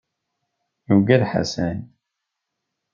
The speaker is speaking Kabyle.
Yuggad Ḥasan?